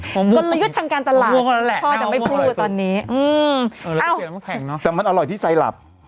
กลยุทธ์ทางการตลาดพ่อจะไม่พูดตอนนี้แต่มันอร่อยที่ไซลับ